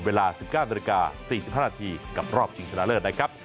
เวลา๑๙นาฬิกา๔๕นาทีกับรอบชิงชนะเลิศนะครับ